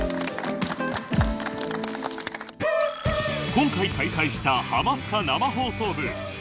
今回開催した「ハマスカ生放送部 ＨＥＹ！